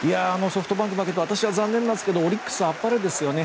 ソフトバンク負けて私は残念なんですけどオリックスはあっぱれですよね。